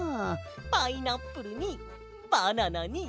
パイナップルにバナナにマンゴー！